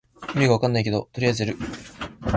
意味わかんないけどとりあえずやる